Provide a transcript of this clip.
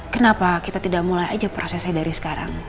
kenapa kita tidak mulai aja prosesnya dari sekarang